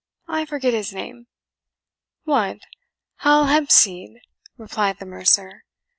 I forget his name." "What, Hal Hempseed?" replied the mercer.